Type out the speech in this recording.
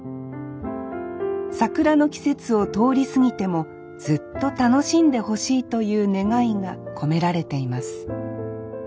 桜の季節を通り過ぎてもずっと楽しんでほしいという願いが込められています